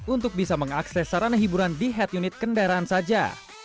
untuk bisa mengakses sarana hiburan di head unit kendaraan saja